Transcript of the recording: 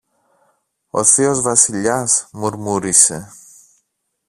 Ο θείος Βασιλιάς, μουρμούρισε.